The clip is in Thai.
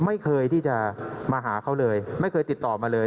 ไม่เคยที่จะมาหาเขาเลยไม่เคยติดต่อมาเลย